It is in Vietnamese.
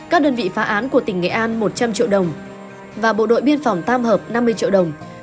các đơn vị phá án của tỉnh nghệ an một trăm linh triệu đồng